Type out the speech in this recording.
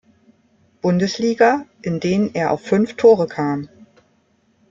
Bundesliga, in denen er auf fünf Tore kam.